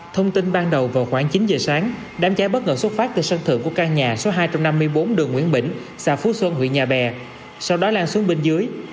thông tin ban đầu vào khoảng chín giờ sáng đám cháy bất ngờ xuất phát từ sân thượng của căn nhà số hai trăm năm mươi bốn đường nguyễn bỉnh xã phú xuân huyện nhà bè sau đó lan xuống bên dưới